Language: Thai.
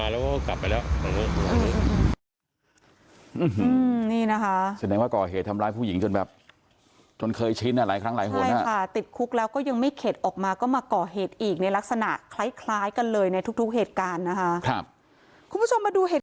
แล้วก็ตำรวจมาแล้วก็กลับไปแล้ว